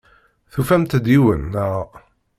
Tufamt-d yiwen, naɣ?